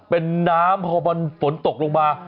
เป็นน้ำพอมันฝนตกลงมา